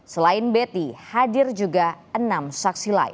selain betty hadir juga enam saksi lain